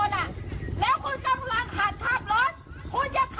เมื่อกี้เคร่ะเพื่อน